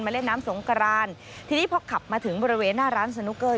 เล่นน้ำสงกรานทีนี้พอขับมาถึงบริเวณหน้าร้านสนุกเกอร์